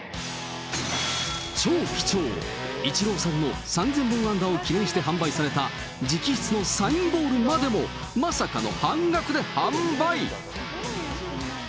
超貴重、イチローさんの３０００本安打を記念して販売された直筆のサインボールまでも、まさかの半額で販売。